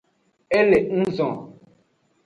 E le nguzo.